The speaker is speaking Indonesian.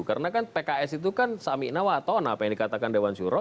karena kan pks itu kan samiknawaton apa yang dikatakan dewan syuro